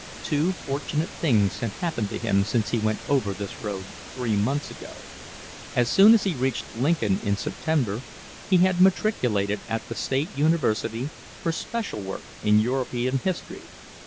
Two fortunate things had happened to him since he went over this road three months ago. As soon as he reached Lincoln in September, he had matriculated at the State University for special work in European History.